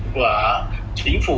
của chính phủ